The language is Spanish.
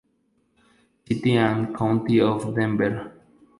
City and County of Denver, n.d.